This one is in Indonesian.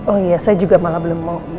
oh iya saya juga malah belum mau